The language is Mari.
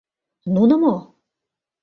Нуно мо?